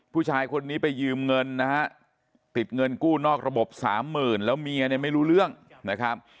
ผู้ชายคนนี้ไปยืมเงินนะฮะติดเงินกู้นอกระบบสามหมื่นแล้วเมียเนี่ยไม่รู้เรื่องนะครับ